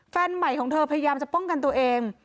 แฟนใหม่ของเธอพยายามจะป้องกันตัวเอง